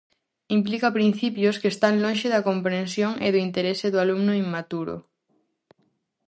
Implica principios que están lonxe da comprensión e do interese do alumno inmaturo.